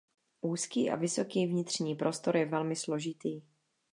Úzký a vysoký vnitřní prostor je velmi složitý.